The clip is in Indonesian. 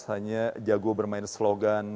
hanya jago bermain slogan